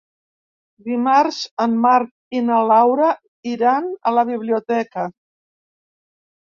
Dimarts en Marc i na Laura iran a la biblioteca.